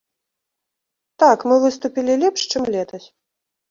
Так, мы выступілі лепш, чым летась.